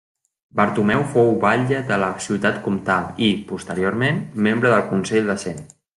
Bartomeu fou batlle de la ciutat comtal i, posteriorment, membre del Consell de Cent.